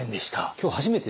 今日初めて？